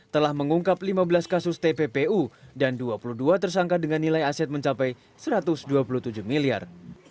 telah mengungkap lima belas kasus tppu dan dua puluh dua tersangka dengan nilai aset mencapai satu ratus dua puluh tujuh miliar